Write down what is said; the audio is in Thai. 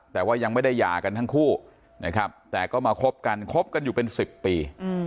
แต่ว่ายังไม่ได้หย่ากันทั้งคู่นะครับแต่ก็มาคบกันคบกันอยู่เป็น๑๐ปี